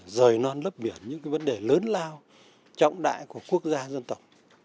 rời non lớp biển những vấn đề lớn lao trọng đại của quốc gia dân tộc